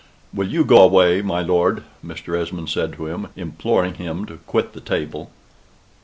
"Will you go away, my lord?" Mr. Esmond said to him, imploring him to quit the table.